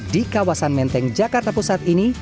di kawasan menteng jakarta pusat ini